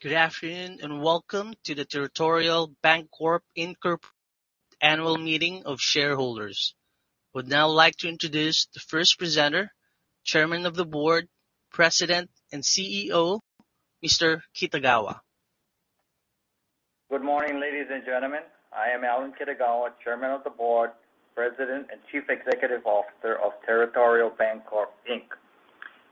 Good afternoon, and welcome to the Territorial Bancorp Inc. annual meeting of shareholders. I would now like to introduce the first presenter, Chairman of the Board, President, and CEO, Mr. Kitagawa. Good morning, ladies and gentlemen. I am Allan Kitagawa, Chairman of the Board, President, and Chief Executive Officer of Territorial Bancorp Inc.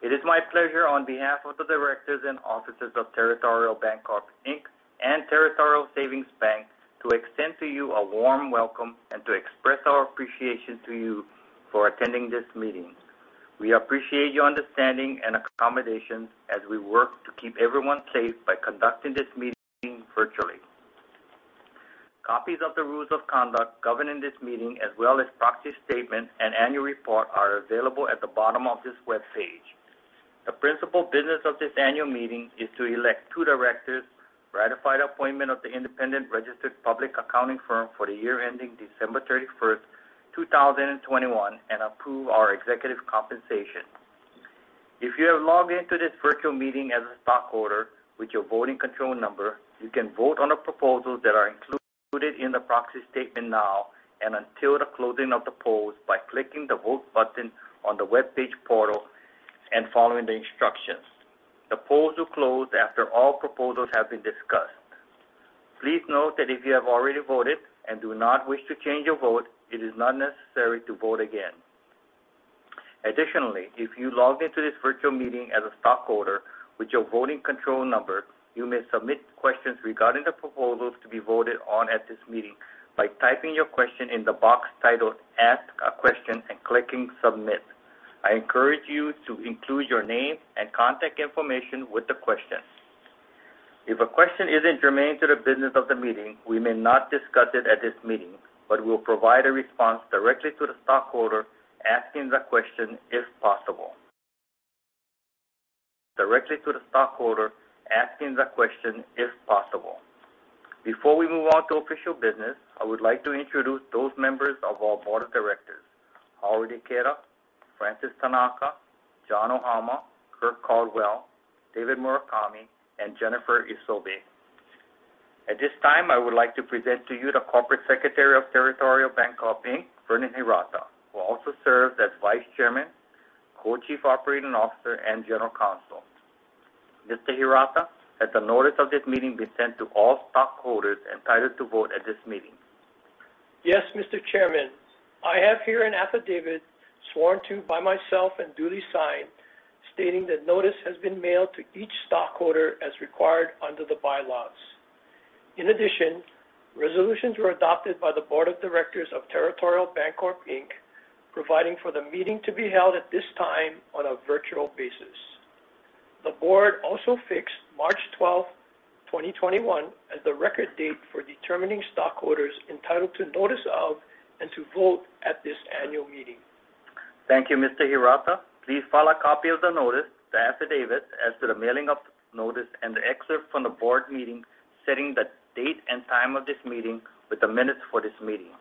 It is my pleasure on behalf of the directors and officers of Territorial Bancorp Inc. and Territorial Savings Bank to extend to you a warm welcome and to express our appreciation to you for attending this meeting. We appreciate your understanding and accommodation as we work to keep everyone safe by conducting this meeting virtually. Copies of the rules of conduct governing this meeting, as well as proxy statement and annual report, are available at the bottom of this webpage. The principal business of this annual meeting is to elect two directors, ratify the appointment of the independent registered public accounting firm for the year ending December 31st, 2021, and approve our executive compensation. If you have logged into this virtual meeting as a stockholder with your voting control number, you can vote on the proposals that are included in the proxy statement now and until the closing of the polls by clicking the Vote button on the webpage portal and following the instructions. The polls will close after all proposals have been discussed. Please note that if you have already voted and do not wish to change your vote, it is not necessary to vote again. Additionally, if you logged into this virtual meeting as a stockholder with your voting control number, you may submit questions regarding the proposals to be voted on at this meeting by typing your question in the box titled Ask a Question and clicking Submit. I encourage you to include your name and contact information with the question. If a question isn't germane to the business of the meeting, we may not discuss it at this meeting, but we'll provide a response directly to the stockholder asking the question if possible. Directly to the stockholder asking the question if possible. Before we move on to official business, I would like to introduce those members of our board of directors, Howard Ikeda, Francis Tanaka, John Ohama, Kirk Caldwell, David Murakami, and Jennifer Isobe. At this time, I would like to present to you the Corporate Secretary of Territorial Bancorp Inc., Vernon Hirata, who also serves as Vice Chairman, Co-Chief Operating Officer, and General Counsel. Mr. Hirata, has the notice of this meeting been sent to all stockholders entitled to vote at this meeting? Yes, Mr. Chairman. I have here an affidavit, sworn to by myself and duly signed, stating that notice has been mailed to each stockholder as required under the bylaws. In addition, resolutions were adopted by the board of directors of Territorial Bancorp Inc. providing for the meeting to be held at this time on a virtual basis. The board also fixed March 12th, 2021, as the record date for determining stockholders entitled to notice of and to vote at this annual meeting. Thank you, Mr. Hirata. Please file a copy of the notice, the affidavit as to the mailing of notice, and the excerpt from the board meeting setting the date and time of this meeting with the minutes for this meeting.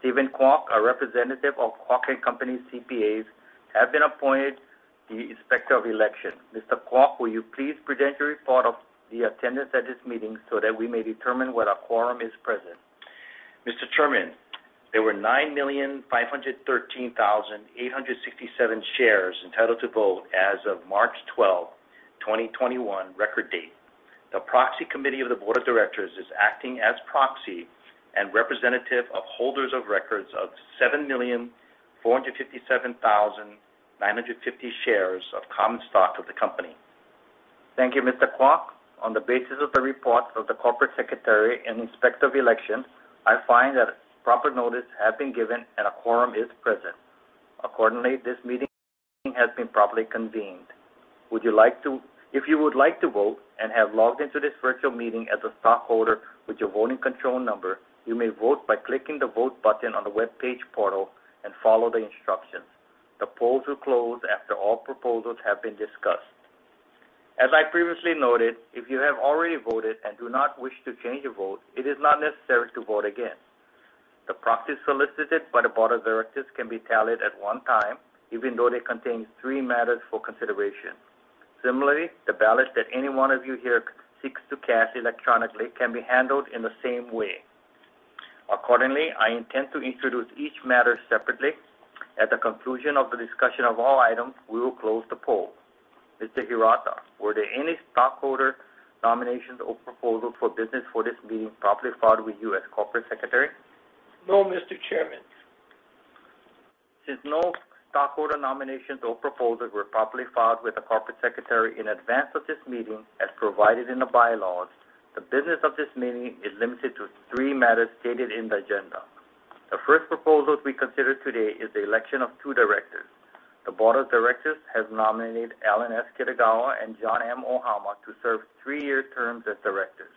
Steven Kwok, our representative of Kwok & Company CPAs, has been appointed the inspector of election. Mr. Kwok, will you please present your report of the attendance at this meeting so that we may determine whether a quorum is present? Mr. Chairman, there were 9,513,867 shares entitled to vote as of March 12, 2021, record date. The proxy committee of the board of directors is acting as proxy and representative of holders of records of 7,457,950 shares of common stock of the company. Thank you, Mr. Kwok. On the basis of the reports of the corporate secretary and inspector of election, I find that proper notice has been given and a quorum is present. Accordingly, this meeting has been properly convened. If you would like to vote and have logged into this virtual meeting as a stockholder with your voting control number, you may vote by clicking the Vote button on the webpage portal and follow the instructions. The polls will close after all proposals have been discussed. As I previously noted, if you have already voted and do not wish to change your vote, it is not necessary to vote again. The proxies solicited by the board of directors can be tallied at one time, even though they contain three matters for consideration. Similarly, the ballot that any one of you here seeks to cast electronically can be handled in the same way. Accordingly, I intend to introduce each matter separately. At the conclusion of the discussion of all items, we will close the poll. Mr. Hirata, were there any stockholder nominations or proposals for business for this meeting properly filed with you as Corporate Secretary? No, Mr. Chairman. Since no stockholder nominations or proposals were properly filed with the corporate secretary in advance of this meeting, as provided in the bylaws, the business of this meeting is limited to three matters stated in the agenda. The first proposal to be considered today is the election of two directors. The board of directors has nominated Allan S. Kitagawa and John M. Ohama to serve three-year terms as directors,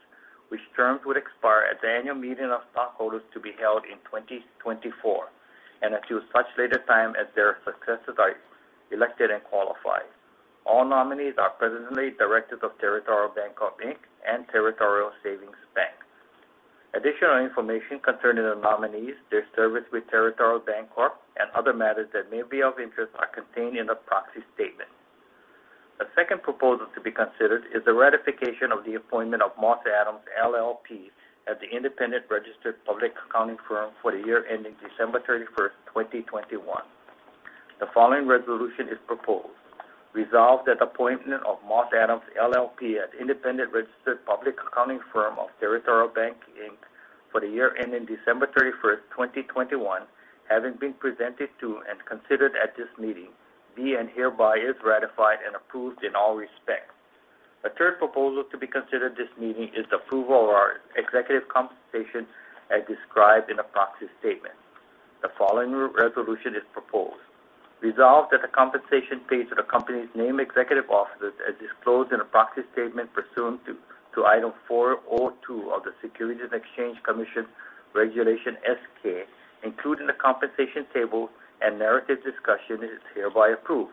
which terms would expire at the annual meeting of stockholders to be held in 2024, and until such later time as their successors are elected and qualified. All nominees are presently directors of Territorial Bancorp Inc. and Territorial Savings Bank. Additional information concerning the nominees, their service with Territorial Bancorp, and other matters that may be of interest are contained in the proxy statement. The second proposal to be considered is the ratification of the appointment of Moss Adams LLP as the independent registered public accounting firm for the year ending December 31st, 2021. The following resolution is proposed. Resolved that appointment of Moss Adams LLP as independent registered public accounting firm of Territorial Bancorp Inc. for the year ending December 31st, 2021, having been presented to and considered at this meeting, be and hereby is ratified and approved in all respects. The third proposal to be considered this meeting is the approval of our executive compensation as described in the proxy statement. The following resolution is proposed. Resolved that the compensation paid to the company's named executive officers as disclosed in a proxy statement pursuant to Item 402 of the Securities and Exchange Commission Regulation S-K, including the compensation table and narrative discussion, is hereby approved.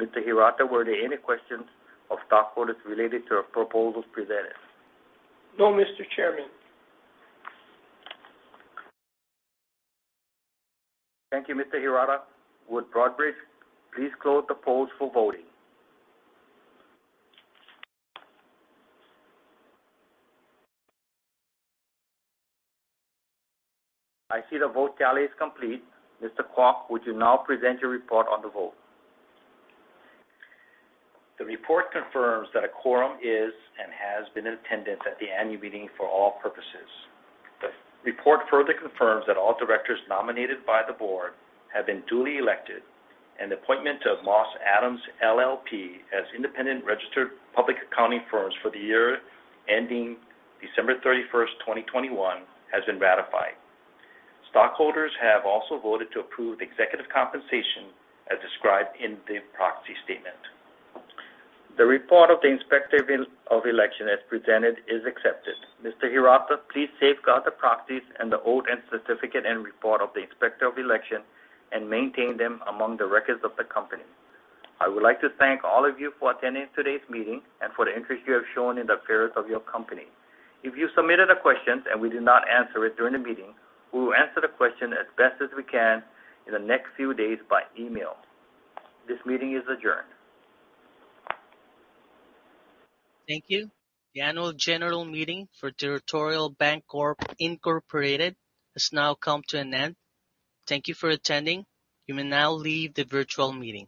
Mr. Hirata, were there any questions of stockholders related to the proposals presented? No, Mr. Chairman. Thank you, Mr. Hirata. Would Broadridge please close the polls for voting? I see the vote tally is complete. Mr. Kwok, would you now present your report on the vote? The report confirms that a quorum is and has been in attendance at the annual meeting for all purposes. The report further confirms that all directors nominated by the board have been duly elected, and the appointment of Moss Adams LLP as independent registered public accounting firms for the year ending December 31st, 2021, has been ratified. Stockholders have also voted to approve executive compensation as described in the proxy statement. The report of the Inspector of Election as presented is accepted. Mr. Hirata, please safeguard the proxies and the vote and certificate and report of the Inspector of Election and maintain them among the records of the company. I would like to thank all of you for attending today's meeting and for the interest you have shown in the affairs of your company. If you submitted a question and we did not answer it during the meeting, we will answer the question as best as we can in the next few days by email. This meeting is adjourned. Thank you. The annual general meeting for Territorial Bancorp Incorporated has now come to an end. Thank you for attending. You may now leave the virtual meeting.